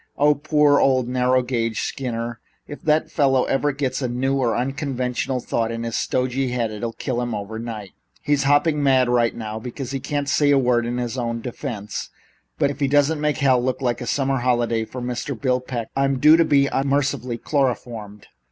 Ah, poor old narrow gauge Skinner! If that fellow ever gets a new or unconventional thought in his stodgy head, it'll kill him overnight. He's hopping mad right now, because he can't say a word in his own defense, but if he doesn't make hell look like a summer holiday for Mr. Bill Peck, I'm due to be mercifully chloroformed.